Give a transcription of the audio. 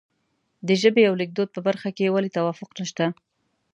د ژبې او لیکدود په برخه کې ولې توافق نشته.